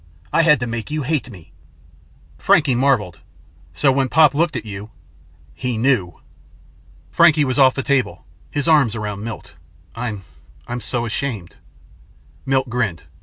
I had to make you hate me." Frankie marveled. "So when Pop looked at you " "He knew." Frankie was off the table, his arms around Milt. "I'm I'm so ashamed." Milt grinned.